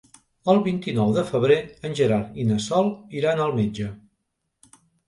El vint-i-nou de febrer en Gerard i na Sol iran al metge.